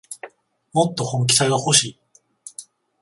もっと本気さがほしい